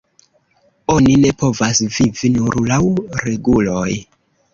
Oni ne povas vivi nur laŭ reguloj.